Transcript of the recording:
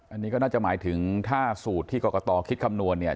อันนี้ก็น่าจะหมายถึงถ้าสูตรที่กรกตคิดคำนวณเนี่ย